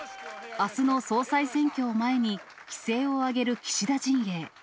あすの総裁選挙を前に、気勢を上げる岸田陣営。